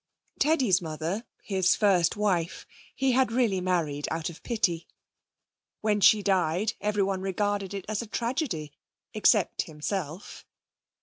Teddy's mother, his first wife, he had really married out of pity. When she died everyone regarded it as a tragedy except himself.